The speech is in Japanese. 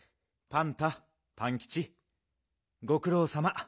パンキチごくろうさま。